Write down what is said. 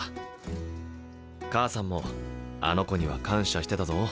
母さんもあの子には感謝してたぞ。